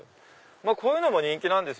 こういうのも人気なんですよね。